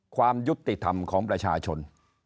ความยุติธรรมของประชาชน